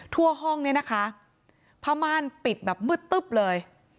ทั่วห้องเนี่ยนะคะผ้าม่านปิดแบบมืดตึ๊บเลย